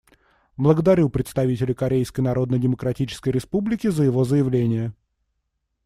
Благодарю представителя Корейской Народно-Демократической Республики за его заявление.